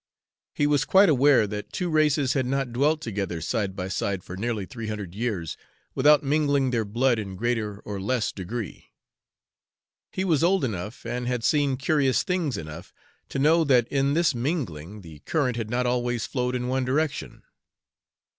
He was quite aware that two races had not dwelt together, side by side, for nearly three hundred years, without mingling their blood in greater or less degree; he was old enough, and had seen curious things enough, to know that in this mingling the current had not always flowed in one direction.